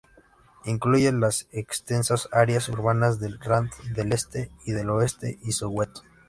Incluye las extensas áreas urbanas del Rand del este y del oeste, y Soweto.